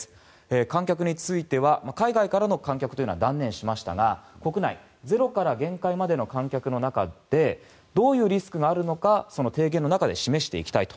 観客については海外からの観客というのは断念しましたが国内、ゼロから限界までの観客の中でどういうリスクがあるのかその提言の中で示していきたいと。